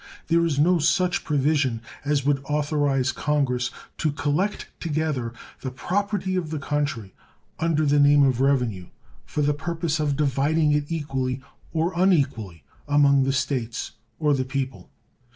There is no such provision as would authorize Congress to collect together the property of the country, under the name of revenue, for the purpose of dividing it equally or unequally among the States or the people.